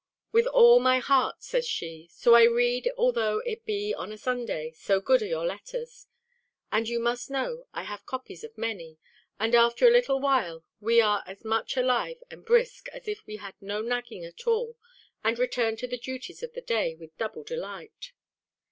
"With all my heart," says she. So I read although it be on a Sunday, so good are your letters; and you must know, I have copies of many, and after a little while we are as much alive and brisk, as if we had no nagging at all, and return to the duties of the day with double delight.